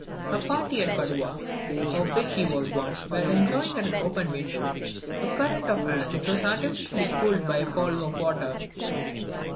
A party at Padua, of which he was one, were enjoying, at an open window, a current of air, which was artificially cooled by a fall of water.